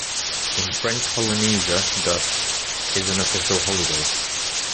In French Polynesia, the...is an official holiday.